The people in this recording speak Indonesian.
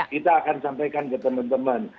kita akan sampaikan ke teman teman